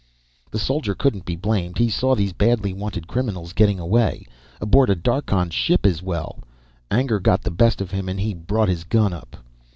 The soldier couldn't be blamed. He saw these badly wanted criminals getting away. Aboard a Darkhan ship as well. Anger got the best of him and he brought his gun up.